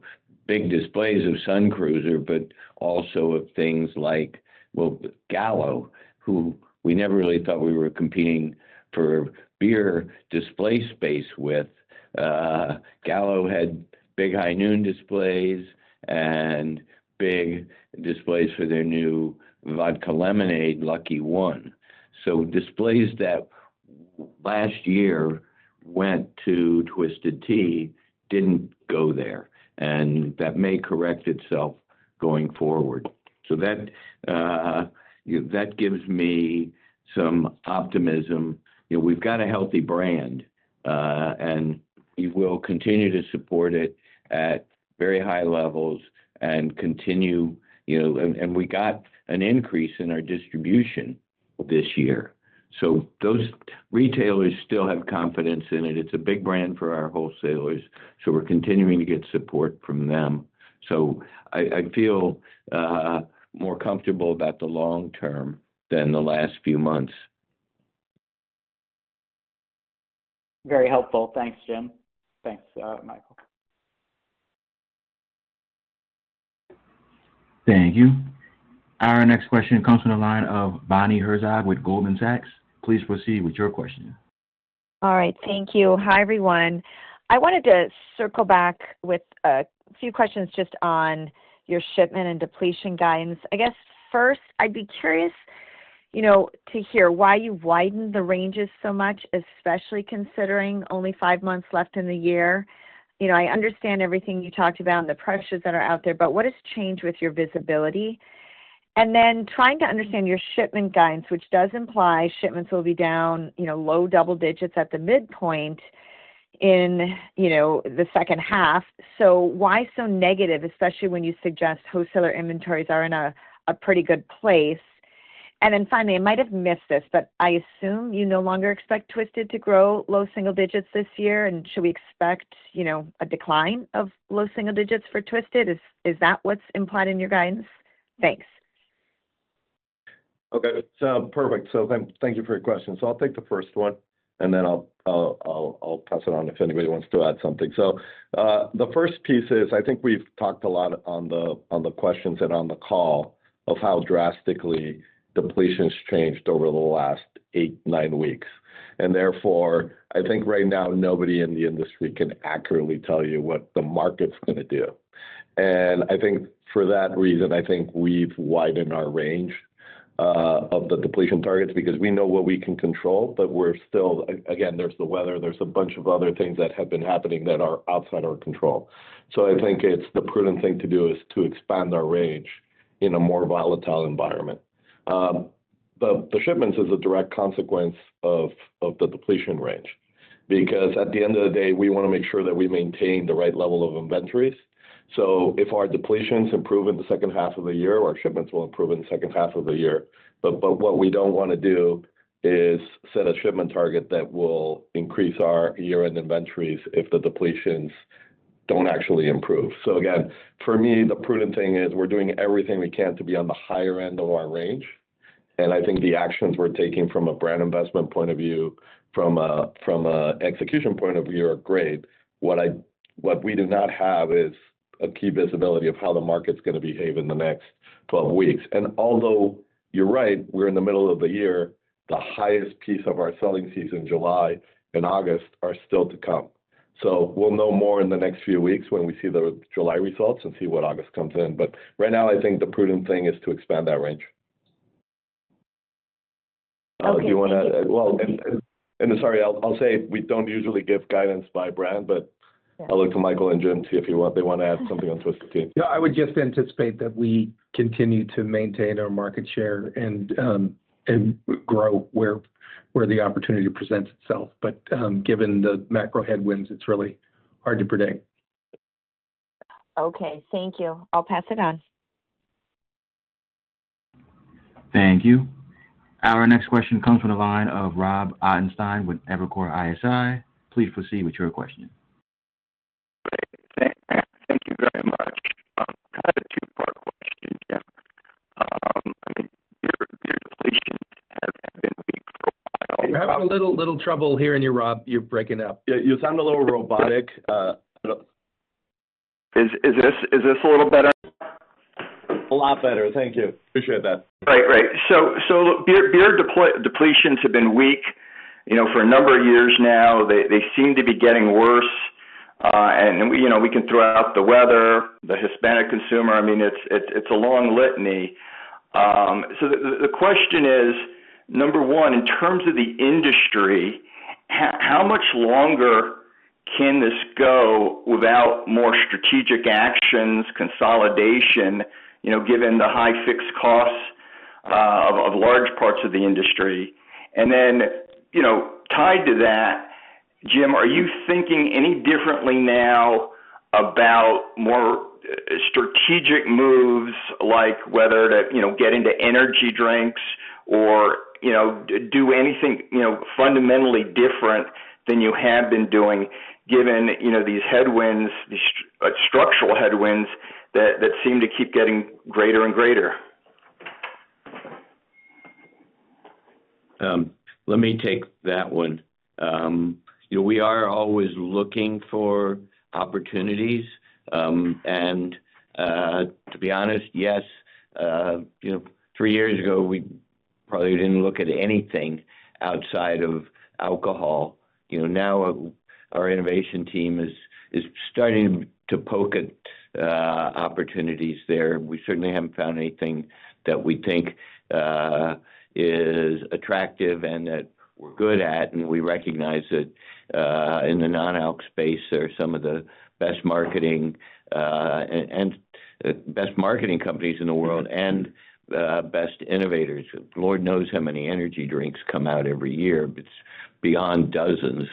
big displays of Sun Cruiser, but also of things like, well, Gallo, who we never really thought we were competing for beer display space with. Gallo had big high noon displays and big displays for their new vodka lemonade, Lucky One. So displays that last year went to Twisted Tea didn't go there, and that may correct itself going forward. So that, you that gives me some optimism. We've got a healthy brand, and we will continue to support it at very high levels and continue you know? And and we got an increase in our distribution this year. So those retailers still have confidence in it. It's a big brand for our wholesalers, so we're continuing to get support from them. So I I feel, more comfortable about the long term than the last few months. Very helpful. Thanks, Jim. Thanks, Michael. Thank you. Our next question comes from the line of Bonnie Herzog with Goldman Sachs. Please proceed with your question. Alright. Thank you. Hi, everyone. I wanted to circle back with a few questions just on your shipment and depletion guidance. I guess, first, I'd be curious, you know, to hear why you widened the ranges so much, especially considering only five months left in the year. You know, I understand everything you talked about and the pressures that are out there, but what has changed with your visibility? And then trying to understand your shipment guidance, which does imply shipments will be down, you know, low double digits at the midpoint in, you know, the second half. So why so negative, especially when you suggest wholesaler inventories are in a a pretty good place? And then finally, might have missed this, but I assume you no longer expect Twisted to grow low single digits this year. And should we expect, you know, a decline of low single digits for Twisted? Is is that what's implied in your guidance? Thanks. Okay. So perfect. So thank thank you for your question. So I'll take the first one, and then I'll I'll I'll I'll pass it on if anybody wants to add something. So, the first piece is I think we've talked a lot on the on the questions and on the call of how drastically depletions changed over the last eight, nine weeks. And therefore, I think right now, nobody in the industry can accurately tell you what the market's gonna do. And I think for that reason, I think we've widened our range, of the depletion targets because we know what we can control, but we're still again, there's the weather. There's a bunch of other things that have been happening that are outside our control. So I think it's the prudent thing to do is to expand our range in a more volatile environment. The the shipments is a direct consequence of of the depletion range because at the end of the day, we wanna make sure that we maintain the right level of inventories. So if our depletions improve in the second half of the year, our shipments will improve in the second half of the year. But but what we don't wanna do is set a shipment target that will increase our year end inventories if the depletions don't actually improve. So again, for me, the prudent thing is we're doing everything we can to be on the higher end of our range. And I think the actions we're taking from a brand investment point of view, from a from a execution point of view are great. What I what we do not have is a key visibility of how the market's gonna behave in the next twelve weeks. And although you're right, we're in the middle of the year, the highest piece of our selling season, July and August, are still to come. So we'll know more in the next few weeks when we see the July results and see what August comes in. But right now, I think the prudent thing is to expand that range. Oh, do wanna well and and I'm sorry. I'll I'll say we don't usually give guidance by brand, but I'll look to Michael and Jim to see if he want they wanna add something on Twisted Tea. Yeah. I would just anticipate that we continue to maintain our market share and and grow where where the opportunity presents itself. But, given the macro headwinds, it's really hard to predict. Okay. Thank you. I'll pass it on. Thank you. Our next question comes from the line of Rob Ottenstein with Evercore ISI. Please proceed with your question. Great. Thank you very much. I had a two part question. Yeah. I mean, your your depletions have been weak for a while. I'm having a little little trouble hearing you, Rob. You're breaking up. You you sound a little robotic. Is this a little better? A lot better, thank you. Appreciate that. Great, great. So beer depletions have been weak for a number of years now. They seem to be getting worse. And we can throw out the weather, the Hispanic consumer, I mean it's a long litany. So the question is number one, in terms of the industry, how much longer can this go without more strategic actions, consolidation, given the high fixed costs of large parts of the industry? And then tied to that, Jim, are you thinking any differently now about more strategic moves like whether to get into energy drinks or do anything fundamentally different than you have been doing given, you know, these headwinds, these structural headwinds that that seem to keep getting greater and greater? Let me take that one. You know, we are always looking for opportunities. And, to be honest, yes, you know, three years ago, we probably didn't look at anything outside of alcohol. You know, now our innovation team is is starting to poke at opportunities there. We certainly haven't found anything that we think is attractive and that we're good at, and we recognize that in the non alk space are some of the best marketing best marketing companies in the world and the best innovators. Lord knows how many energy drinks come out every year. It's beyond dozens.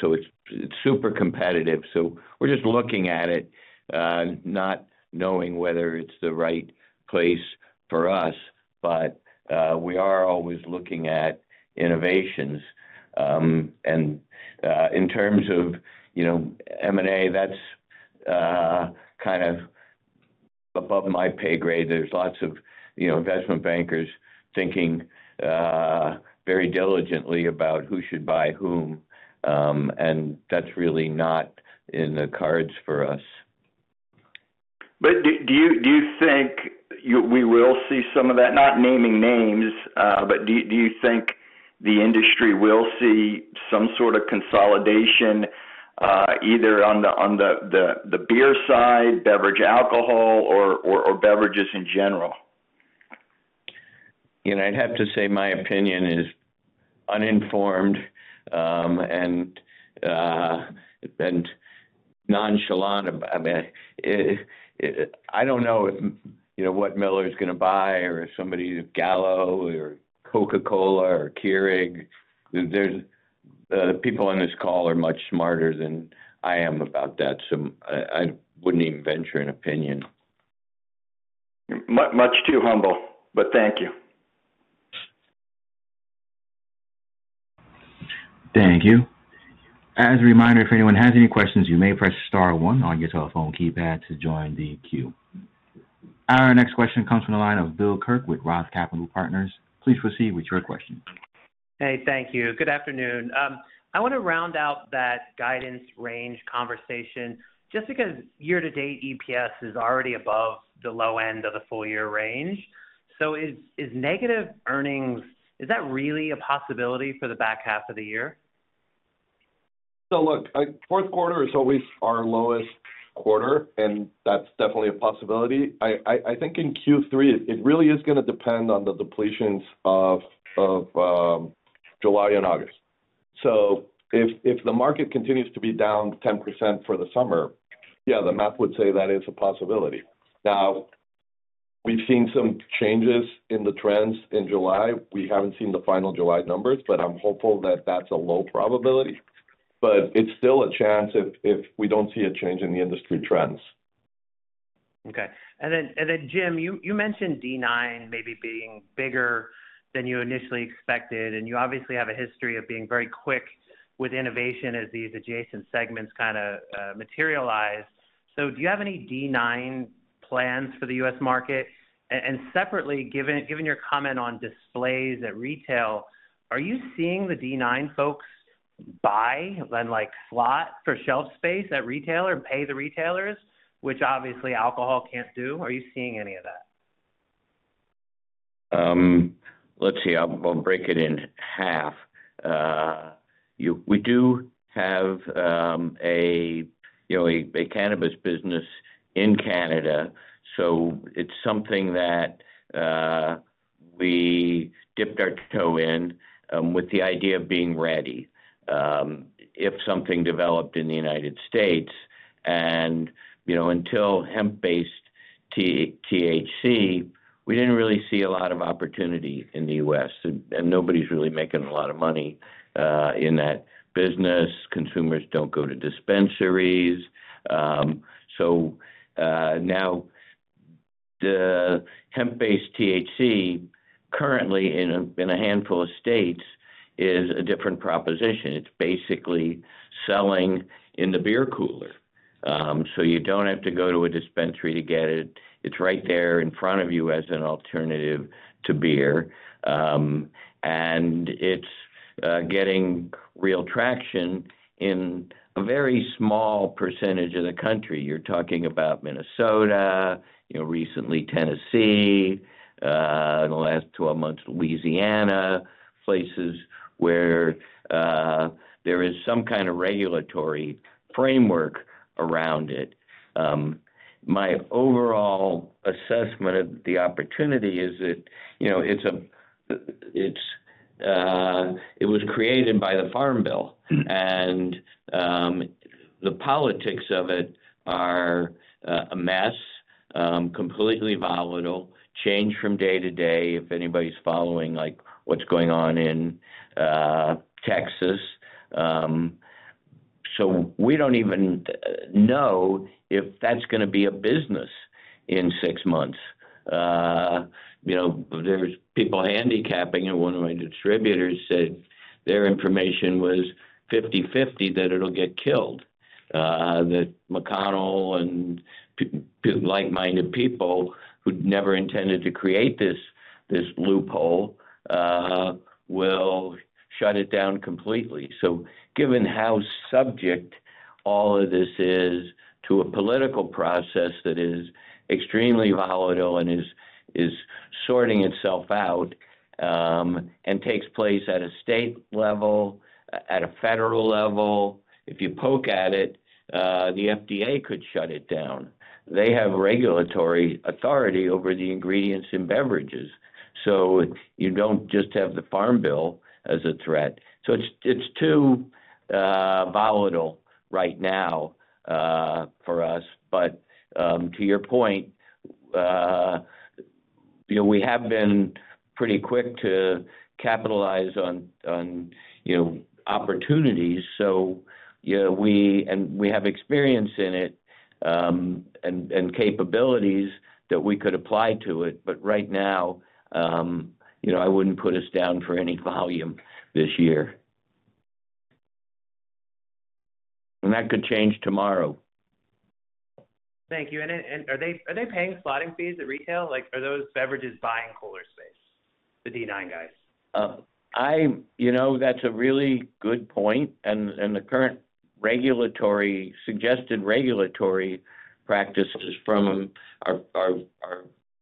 So it's it's super competitive. So we're just looking at it, not knowing whether it's the right place for us, but we are always looking at innovations. And in terms of, you know, m and a, that's kind of above my pay grade. There's lots of, investment bankers thinking very diligently about who should buy whom, and that's really not in the cards for us. But do do you do you think you we will see some of that? Not naming names, but do do you think the industry will see some sort of consolidation either on the on the the the beer side, beverage alcohol, or or or beverages in general? You know, I'd have to say my opinion is uninformed, and, and nonchalant. Mean, I don't know if, you know, what Miller's gonna buy or if somebody's Gallo or Coca Cola or Keurig. There's the people on this call are much smarter than I am about that, so I I wouldn't even venture an opinion. Much too humble, but thank you. Thank you. Our next question comes from the line of Bill Kirk with Roth Capital Partners. Please proceed with your question. Hey. Thank you. Good afternoon. I want to round out that guidance range conversation just because year to date EPS is already above the low end of the full year range. So is is negative earnings is that really a possibility for the back half of the year? So look. Fourth quarter is always our lowest quarter, and that's definitely a possibility. I I I think in q three, it really is gonna depend on the depletions of of, July and August. So if if the market continues to be down 10% for the summer, yeah, the math would say that is a possibility. Now we've seen some changes in the trends in July. We haven't seen the final July numbers, but I'm hopeful that that's a low probability. But it's still a chance if if we don't see a change in the industry trends. Okay. And then and then, Jim, you you mentioned d nine maybe being bigger than you initially expected, and you obviously have a history of being very quick with innovation as these adjacent segments kinda, materialize. So do you have any d nine plans for The US market? And separately, given given your comment on displays at retail, are you seeing the d nine folks buy and, like, slot for shelf space at retailer and pay the retailers, which obviously alcohol can't do? Are you seeing any of that? Let's see. I'm I'm breaking it in half. You we do have a, you know, a a cannabis business in Canada, so it's something that we dipped our toe in with the idea of being ready if something developed in The United States. And, you know, until hemp based t THC, we didn't really see a lot of opportunity in The US, and and nobody's really making a lot of money in that business. Consumers don't go to dispensaries. So now the hemp based THC currently in a in a handful of states is a different proposition. It's basically selling in the beer cooler. So you don't have to go to a dispensary to get it. It's right there in front of you as an alternative to beer, and it's getting real traction in a very small percentage of the country. You're talking about Minnesota, you know, recently Tennessee, in the last twelve months, Louisiana, places where there is some kind of regulatory framework around it. My overall assessment of the opportunity is that, you know, it's a it's it was created by the farm bill. And the politics of it are a mess, completely volatile, change from day to day if anybody's following, like, what's going on in Texas. So we don't even know if that's gonna be a business in six months. You know, there's people handicapping, and one of my distributors said their information was $50.50 that it'll get killed. That McConnell and like minded people who'd never intended to create this this loophole will shut it down completely. So given how subject all of this is to a political process that is extremely volatile and is is sorting itself out and takes place at a state level, at a federal level. If you poke at it, the FDA could shut it down. They have regulatory authority over the ingredients in beverages, so you don't just have the farm bill as a threat. So it's it's too volatile right now for us. But to your point, you know, we have been pretty quick to capitalize on on, you know, opportunities. So, yeah, we and we have experience in it and and capabilities that we could apply to it. But right now, you know, I wouldn't put us down for any volume this year. And that could change tomorrow. Thank you. And and are they are they paying slotting fees at retail? Like, are those beverages buying cooler space, the d nine guys? I you know, that's a really good point, and and the current regulatory suggested regulatory practices from our our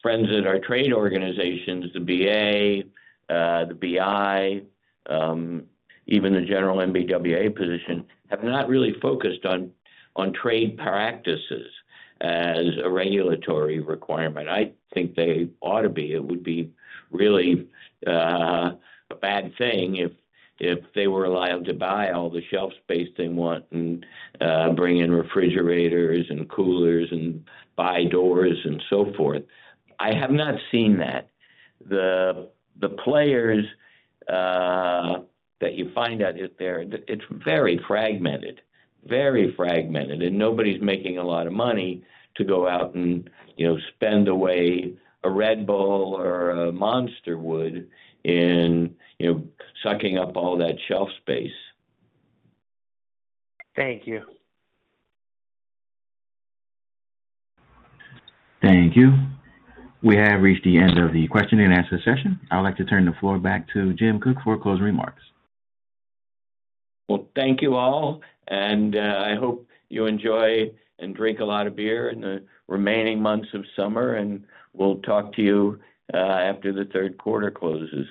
our friends at our trade organizations, the BA, the BI, even the general MBWA position, have not really focused on on trade practices as a regulatory requirement. I think they ought to be. It would be really a bad thing if if they were allowed to buy all the shelf space they want and bring in refrigerators and coolers and buy doors and so forth. I have not seen that. The the players that you find out is there, it's very fragmented, very fragmented, and nobody's making a lot of money to go out and, you know, spend away a Red Bull or a monster would in, you know, sucking up all that shelf space. Thank you. Thank you. We have reached the end of the question and answer session. I would like to turn the floor back to Jim Cook for closing remarks. Well, thank you all, and I hope you enjoy and drink a lot of beer in the remaining months of summer. And we'll talk to you after the third quarter closes.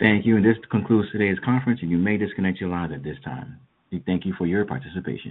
Thank you. And this concludes today's conference, and you may disconnect your lines at this time. We thank you for your participation.